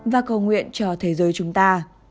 và cầu nguyện cho thế giới chúng ta